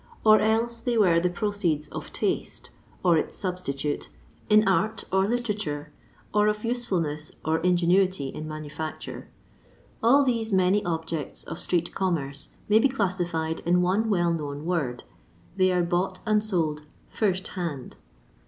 or else they were the proceeds of taste (or its substitute) in art or litera ture, or of usefulness or ingenuity in manufhcture. All these many objects of street commerce may be classified in one well known word : they are bought and sold JirsUhand.